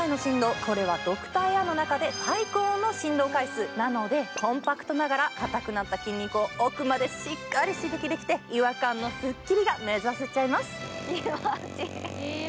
これはドクターエアの中で最高の振動回数なのでコンパクトながら硬くなった筋肉を奥までしっかり刺激できて違和感のスッキリが目指せちゃいます。